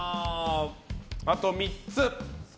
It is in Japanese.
あと３つ。